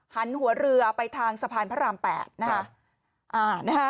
หันหัวเรือไปทางสะพานพระราม๘นะคะ